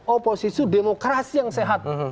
oposisi demokrasi yang sehat